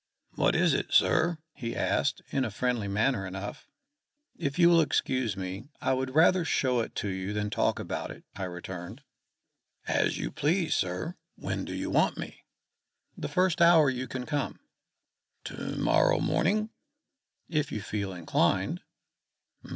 "What is it, sir?" he asked, in a friendly manner enough. "If you will excuse me, I would rather show it to you than talk about it," I returned. "As you please, sir. When do you want me?" "The first hour you can come." "To morrow morning?" "If you feel inclined."